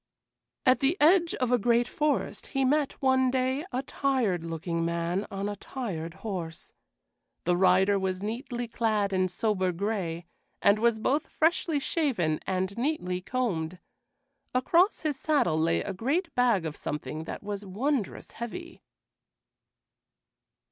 At the edge of a great forest he met, one day, a tired looking man on a tired horse. The rider was neatly clad in sober gray, and was both freshly shaven and neatly combed. Across his saddle lay a great bag of something that was wondrous heavy.